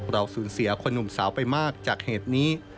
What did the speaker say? สูญเสียคนหนุ่มสาวไปมากจากเหตุนี้